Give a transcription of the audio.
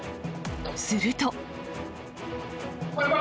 すると。